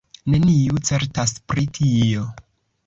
Neniu certas pri tio.